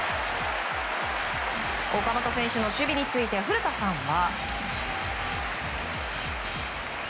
岡本選手の守備について古田さんは。